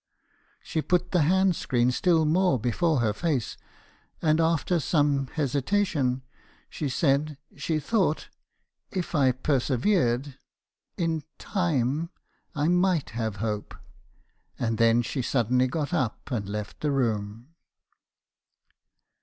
— "She put the hand screen still more before her face, and after some hesitation she said she thought 'if I persevered — in time — I might have hope.' And then she suddenly got up, and left the room.